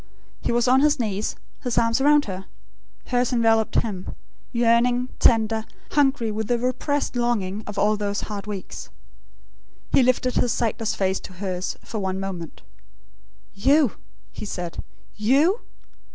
He was on his knees, his arms around her. Hers enveloped him , yearning, tender, hungry with the repressed longing of all those hard weeks. He lifted his sightless face to hers, for one moment. "You?" he said. "YOU?